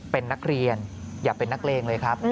เป็นนักเรียนอย่าเป็นนักเลงเลยครับ